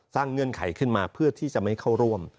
เงื่อนไขขึ้นมาเพื่อที่จะไม่เข้าร่วม